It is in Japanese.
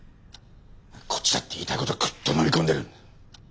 こっちだって言いたい事をグッと飲み込んでいるんだ。